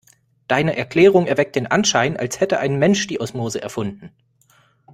Deine Erklärung erweckt den Anschein, als hätte ein Mensch die Osmose erfunden.